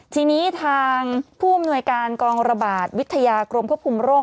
ทีนี้ทางผู้อำนวยการกองระบาดวิทยากรมควบคุมโรค